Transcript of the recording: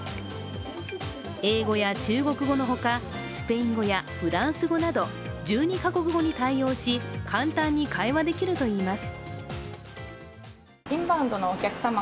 英語や中国語のほか、スペイン語やフランス語など１２か国語に対応し簡単に対応できるといいます。